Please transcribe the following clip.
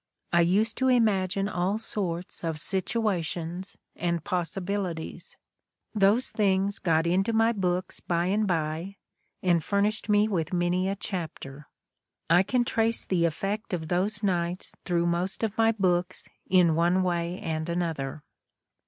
I used to imagine all sorts of situations and possibilities. Those things got 50 The Ordeal of Mark Twain into my books by and by and furnished me with many a chapter. I can trace the effect of those nights through most of my books in one way and another."